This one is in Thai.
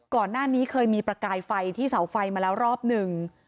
เก่านี่เคยมีประกายไฟที่เสาไฟรอบนึง